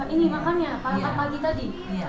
ini makannya pagi tadi